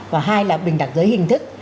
và hai là bình đẳng giới hình thức